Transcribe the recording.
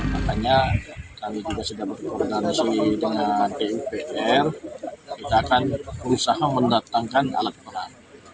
katanya kami juga sudah berkoordinasi dengan pupr kita akan berusaha mendatangkan alat berat